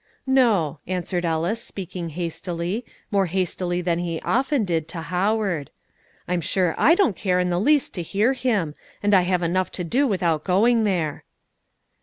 "No," answered Ellis, speaking hastily, more hastily than he often did to Howard. "I'm sure I don't care in the least to hear him, and I have enough to do without going there."